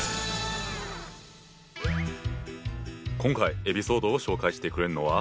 今回エピソードを紹介してくれるのは。